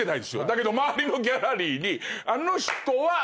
だけど周りのギャラリーに。